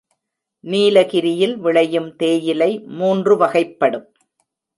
நீலகிரியில் விளையும் தேயிலை மூன்று வகைப்படும்.